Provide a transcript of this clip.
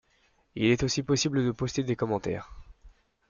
Il est aussi possible de poster des commentaires.